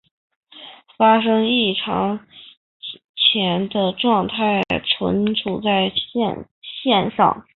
发生异常前的状态存储在栈上。